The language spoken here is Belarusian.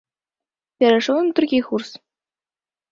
Перайшоў на другі курс?